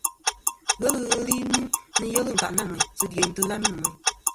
Ghelɨ ghɨ li nɨn yelɨ ɨ̀nkâʼ nâ mèyn sɨ dyeyn tɨghami nɨ̀ mêyn.